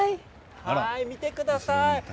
見てください。